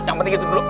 yang penting itu dulu